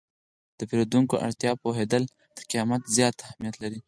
د پیرودونکي اړتیا پوهېدل تر قیمت زیات اهمیت لري.